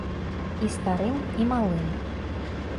І старым, і малым.